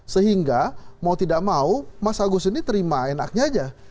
sehingga mau tidak mau mas agus ini terima enaknya aja